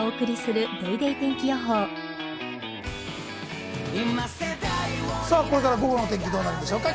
わぁこれから午後の天気、どうなるでしょうか？